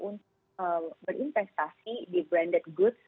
untuk berinvestasi di branded good